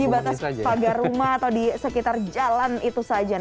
di batas pagar rumah atau di sekitar jalan itu saja